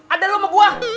ada lu sama gua